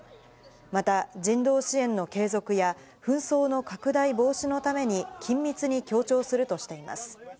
また、人道支援の継続や紛争の拡大防止のために緊密に協調するとしています。